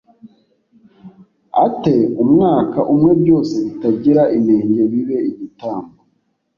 a te umwaka umwe byose bitagira inenge bibe igitambo